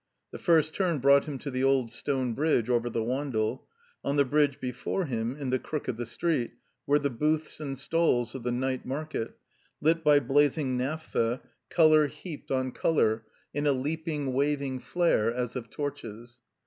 The first turn brought him to the old stone bridge over the Wandle. On the bridge before him, in the crook of the street, were the booths and stalls of the night market, lit by blazing naphtha, color heaped on color in a leaping, waving flare as of torches.